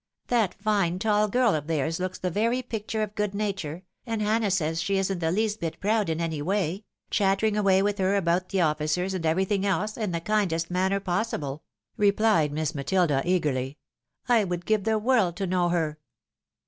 That fine tall girl of theirs looks the very picture of good nature, and Hannah says she isn't the least bit proud in any way ; chattering away with her about the officers, and everything else, in the kindest manner possible," replied Miss Matilda, eagerly. " I would give the world to know her